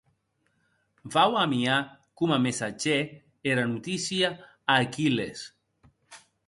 Vau a amiar, coma messatgèr, era notícia a Aquilles.